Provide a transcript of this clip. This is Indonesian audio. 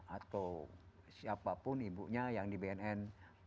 atau siapapun ibunya yang di bnn